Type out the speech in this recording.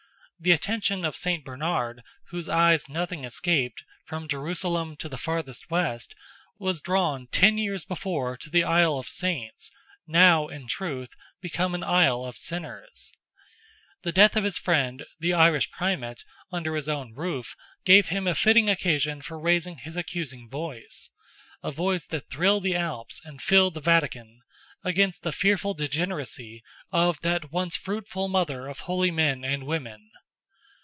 The attention of Saint Bernard, whose eyes nothing escaped, from Jerusalem to the farthest west, was drawn ten years before to the Isle of Saints, now, in truth, become an Isle of Sinners. The death of his friend, the Irish Primate, under his own roof, gave him a fitting occasion for raising his accusing voice—a voice that thrilled the Alps and filled the Vatican—against the fearful degeneracy of that once fruitful mother of holy men and women.